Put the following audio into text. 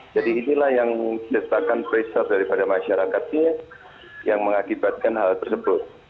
jadi inilah yang menciptakan pressure daripada masyarakatnya yang mengakibatkan hal tersebut